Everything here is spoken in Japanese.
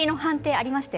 ありました。